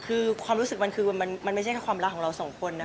คือความรู้สึกมันไม่ใช่ความรักของเราสองคน